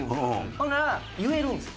ほんなら言えるんですよ。